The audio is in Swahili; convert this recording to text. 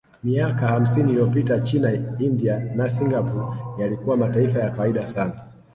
Miaka hamsini iliyopita China India na Singapore yalikuwa mataifa ya kawaida sana